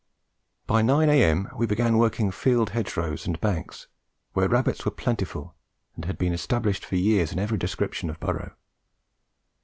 By nine a.m. we began working field hedge rows and banks, where rabbits were pretty plentiful and had been established for years in every description of burrow.